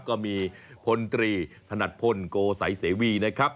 ก็มีพลตรีถนัดพลโกสัยเสวีนะครับ